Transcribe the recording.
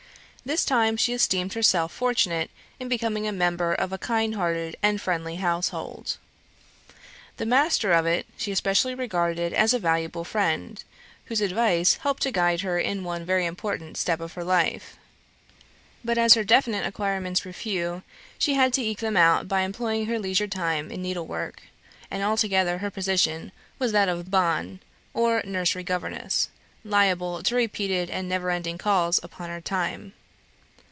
This time she esteemed herself fortunate in becoming a member of a kind hearted and friendly household. The master of it, she especially regarded as a valuable friend, whose advice helped to guide her in one very important step of her life. But as her definite acquirements were few, she had to eke them out by employing her leisure time in needlework; and altogether her position was that of "bonne" or nursery governess, liable to repeated and never ending calls upon her time.